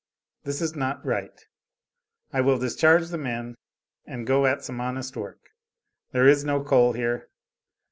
This is not right, I will discharge the men and go at some honest work. There is no coal here.